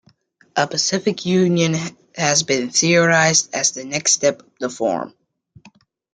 A Pacific Union has been theorized as the next step of the forum.